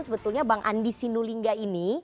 sebetulnya bang andi sinulinga ini